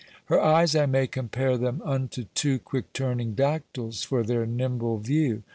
Her eies I may compare them unto two Quick turning dactyles, for their nimble view.